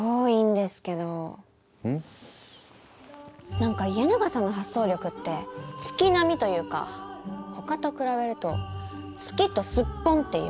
なんかイエナガさんの発想力って月並みというか他と比べると月とすっぽんっていうか。